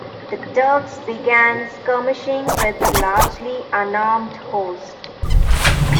The Turks began skirmishing with the largely unarmed host.